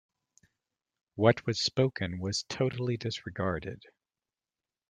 What was spoken was totally disregarded.